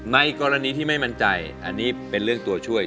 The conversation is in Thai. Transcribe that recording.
ในกรณีที่ไม่มั่นใจอันนี้เป็นเรื่องตัวช่วย